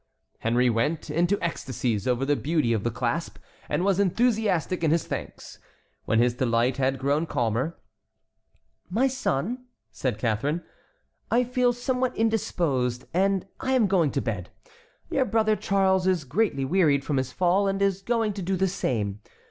Henry went into ecstasies over the beauty of the clasp, and was enthusiastic in his thanks. When his delight had grown calmer: "My son," said Catharine, "I feel somewhat indisposed and I am going to bed; your brother Charles is greatly wearied from his fall and is going to do the same.